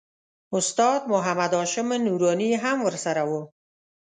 استاد محمد هاشم نوراني هم ورسره و.